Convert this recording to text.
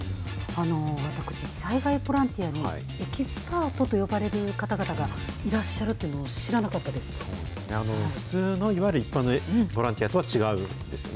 私、災害ボランティアに、エキスパートと呼ばれる方々がいらっしゃるというのを知らなかっそうですね、普通のいわゆる一般のボランティアとは違うんですよね？